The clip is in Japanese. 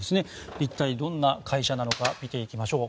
一体、どんな会社なのか見ていきましょう。